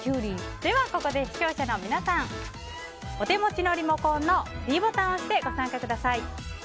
ここで視聴者の皆さんお手持ちのリモコンのｄボタンを押してご参加ください。